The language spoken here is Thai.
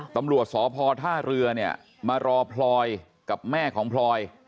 ตำรวจสพท่าเรือเนี่ยมารอพลอยกับแม่ของพลอย